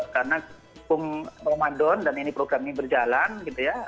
karena hukum ramadan dan program ini berjalan gitu ya